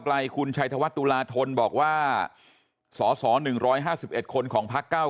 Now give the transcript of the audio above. ไกลคุณชัยธวัฒนตุลาทนบอกว่าสส๑๕๑คนของพักเก้า